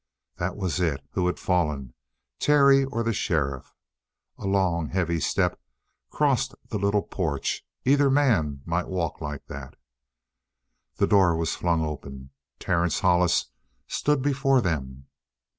That was it. Who had fallen Terry, or the sheriff? A long, heavy step crossed the little porch. Either man might walk like that. The door was flung open. Terence Hollis stood before them.